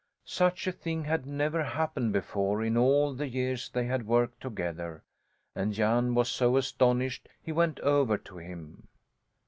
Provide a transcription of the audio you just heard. Such a thing had never happened before in all the years they had worked together, and Jan was so astonished he went over to him.